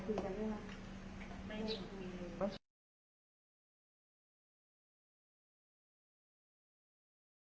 โปรดติดตามตอนต่อไป